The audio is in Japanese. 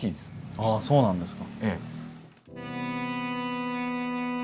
ああそうなんですか。